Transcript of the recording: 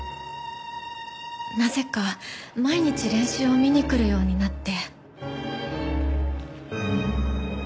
なぜか毎日練習を見に来るようになって。